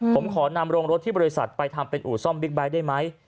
ผมขอนำโรงรถที่บริษัทไปทำเป็นอู่ซ่อมบิ๊กไบท์ได้ไหม